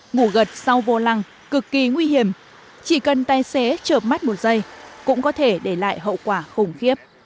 ngủ gật sau vô lăng cực kỳ nguy hiểm chỉ cần tài xế chợp mắt một giây cũng có thể để lại hậu quả khủng khiếp